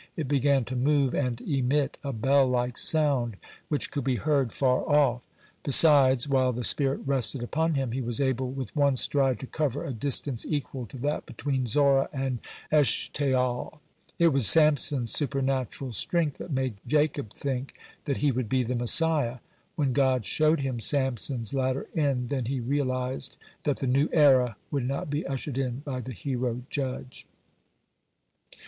In began to move and emit a bell like sound, which could be heard far off. Besides, while the spirit rested upon him, he was able with one stride to cover a distance equal to that between Zorah and Eshtaol. (116) It was Samson's supernatural strength that made Jacob think that he would be the Messiah. When God showed him Samson's latter end, then he realized that the new era would not be ushered in by the hero judge.